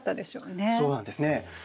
そうなんですね。